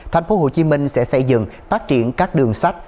tp hcm sẽ xây dựng phát triển các đường sách